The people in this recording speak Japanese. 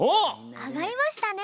あがりましたね。